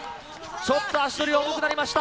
ちょっと足取りが重くなりました。